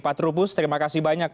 pak trubus terima kasih banyak